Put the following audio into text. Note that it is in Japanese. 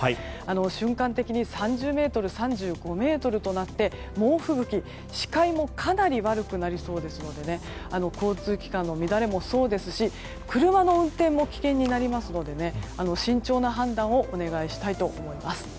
瞬間的に、３０メートル３５メートルとなって猛吹雪、視界もかなり悪くなりそうですので交通機関の乱れもそうですし車の運転も危険になりますので慎重な判断をお願いしたいと思います。